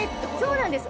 そうなんです。